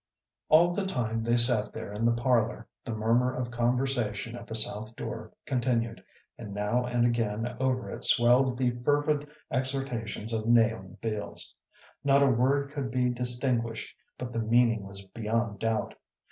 All the time they sat there in the parlor, the murmur of conversation at the south door continued, and now and again over it swelled the fervid exhortations of Nahum Beals. Not a word could be distinguished, but the meaning was beyond doubt.